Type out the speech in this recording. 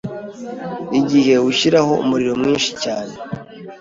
igihe ushyiraho umuriro mwinshi cyane